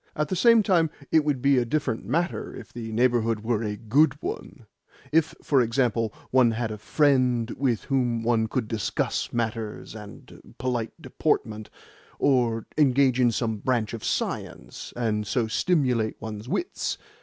"At the same time, it would be a different matter if the neighbourhood were a GOOD one if, for example, one had a friend with whom one could discuss manners and polite deportment, or engage in some branch of science, and so stimulate one's wits.